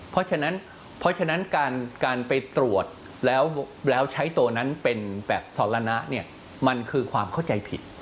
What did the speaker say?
เพราะฉะนั้นเพราะฉะนั้นการไปตรวจแล้วใช้ตัวนั้นเป็นแบบสรณะเนี่ยมันคือความเข้าใจผิด